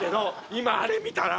今あれ見たら！